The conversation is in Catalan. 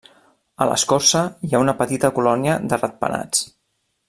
A l'escorça hi ha una petita colònia de ratpenats.